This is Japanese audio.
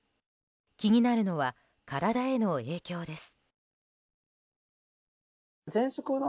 気になるのは体への影響です。